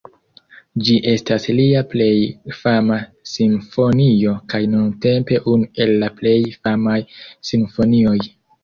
Ĝi estas lia plej fama simfonio, kaj nuntempe unu el la plej famaj simfonioj.